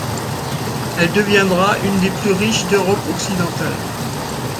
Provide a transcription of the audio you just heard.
Elle deviendra une des plus riches d’Europe occidentale.